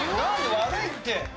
悪いって。